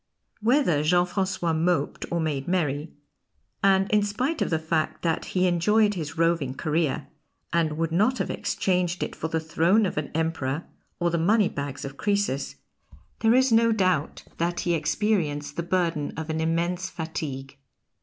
Whether Jean Francois moped or made merry, and in spite of the fact that he enjoyed his roving career and would not have exchanged it for the throne of an Emperor or the money bags of Croesus, there is no doubt that he experienced the burden of an immense fatigue.